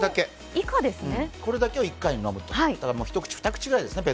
これだけを１回に飲むと、一口、二口くらいですね。